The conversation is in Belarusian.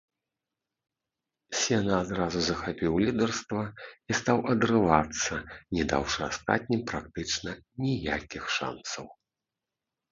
Сена адразу захапіў лідарства і стаў адрывацца, не даўшы астатнім практычна ніякіх шанцаў.